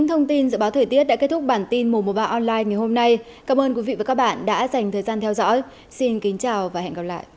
hãy đăng ký kênh để ủng hộ kênh của mình nhé